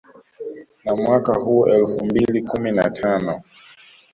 Na mwaka huo elfu mbili kumi na tano